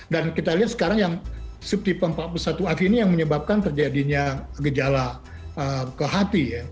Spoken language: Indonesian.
dan kita lihat sekarang yang subtipe empat puluh satu ini yang menyebabkan terjadinya gejala ke hati